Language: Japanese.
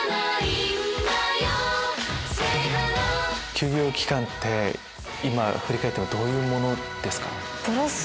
休業期間って今振り返ったらどういうものですか？